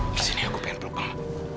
disini aku pengen berlindung